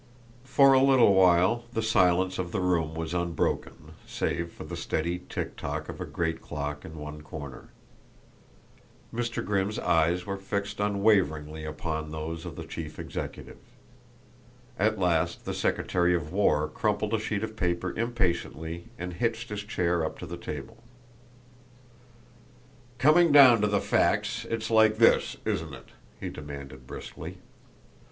For a little while the silence of the room was unbroken, save for the steady tick tock of a great clock in one corner. Mr. Grimm's eyes were fixed unwaveringly upon those of the chief executive. At last the secretary of war crumpled a sheet of paper impatiently and hitched his chair up to the table. "Coming down to the facts it's like this, isn't it?" he demanded briskly.